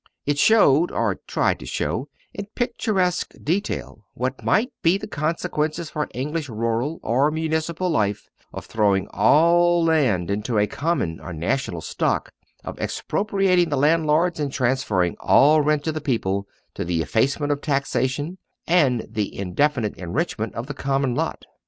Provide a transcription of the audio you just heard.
It showed or tried to show in picturesque detail what might be the consequences for English rural or municipal life of throwing all land into a common or national stock, of expropriating the landlords, and transferring all rent to the people, to the effacement of taxation and the indefinite enrichment of the common lot.